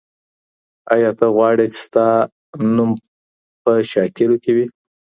ایا ته غواړې چي ستا نامه په شاکرو کي وي؟